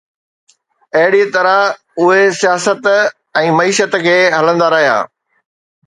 اهڙيءَ طرح اهي سياست ۽ معيشت کي هلندا رهيا.